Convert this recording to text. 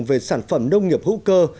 về sản phẩm nông nghiệp hữu cơ